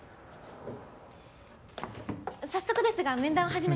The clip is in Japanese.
早速ですが面談を始め。